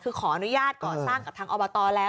คือขออนุญาตก่อสร้างกับทางอบตแล้ว